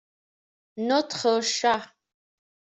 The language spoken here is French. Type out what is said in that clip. Notre chat.